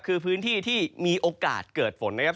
คือพื้นที่ที่มีโอกาสเกิดฝนนะครับ